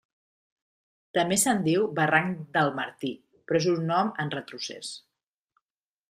També se'n diu Barranc del Martí, però és un nom en retrocés.